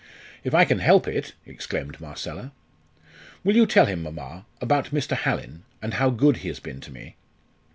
"If I can help it!" exclaimed Marcella. "Will you tell him, mamma, about Mr. Hallin? and how good he has been to me?"